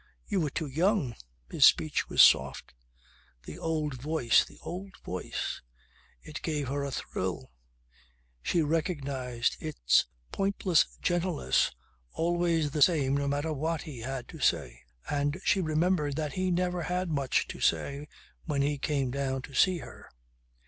"You were too young." His speech was soft. The old voice, the old voice! It gave her a thrill. She recognized its pointless gentleness always the same no matter what he had to say. And she remembered that he never had much to say when he came down to see her.